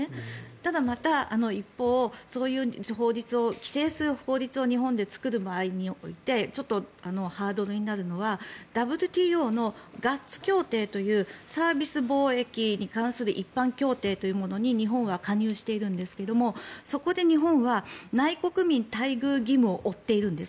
ただまた一方そういう法律を規制する法律を日本で作る場合においてハードルになるのはＷＴＯのガッツ協定というサービス貿易に関する一般協定に日本は加入しているんですがそこで日本は内国民待遇義務を負っているんです。